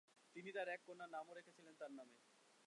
তিনি তাঁর এক কন্যার নামও রেখেছিলেন তাঁর নামে।